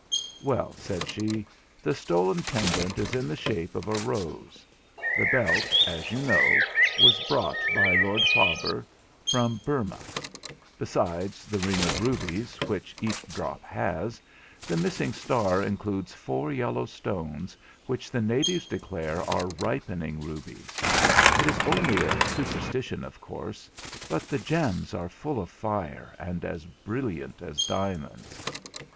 'Well,' said she, 'the stolen pendant is in the shape of a rose. The belt, as you know, was brought by Lord Faber from Burmah. Besides the ring of rubies, which each drop has, the missing star includes four yellow stones, which the natives declare are ripening rubies. It is only a superstition, of course; but the gems are full of fire, and as brilliant as diamonds.'